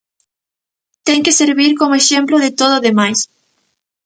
Ten que servir como exemplo de todo o demais.